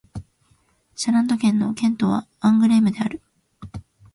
シャラント県の県都はアングレームである